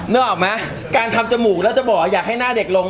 นึกออกไหมการทำจมูกแล้วจะบอกว่าอยากให้หน้าเด็กลง